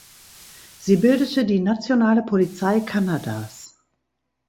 Sie bildete die nationale Polizei Kanadas.